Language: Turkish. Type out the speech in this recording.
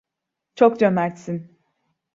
Çok cömertsin.